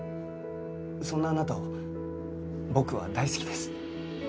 そんなあなたを僕は大好きです。